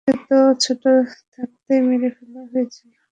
তাকে তো ছোট থাকতেই মেরে ফেলা হয়েছিল।